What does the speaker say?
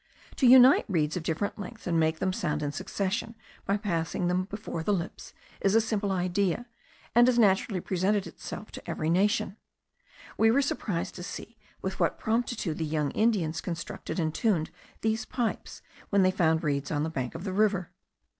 To unite reeds of different lengths, and make them sound in succession by passing them before the lips, is a simple idea, and has naturally presented itself to every nation. We were surprised to see with what promptitude the young Indians constructed and tuned these pipes, when they found reeds on the bank of the river.